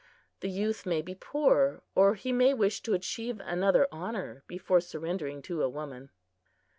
The youth may be poor, or he may wish to achieve another honor before surrendering to a woman.